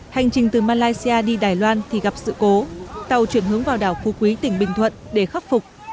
hành trình từ malaysia đi đài loan thì gặp sự cố tàu chuyển hướng vào đảo phu quý tỉnh bình thuận để khắc phục